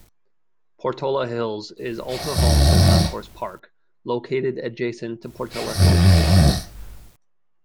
Portola Hills is also home to Concourse Park, located adjacent to Portola Hills I.